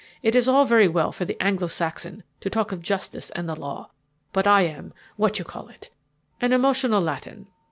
It is all very well for the Anglo Saxon to talk of justice and the law, but I am what you call it? an emotional Latin.